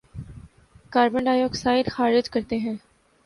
carbon ڈائی آکسائیڈ خارج کرتے ہیں